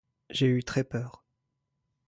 J'ai eu très peur.